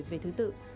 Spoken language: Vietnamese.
về thứ tự